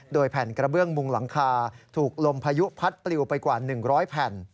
โดยแผ่นกระเบื้องมุงหลังคาถูกลมพายุพัดปลิวไปกว่า๑๐๐แผ่น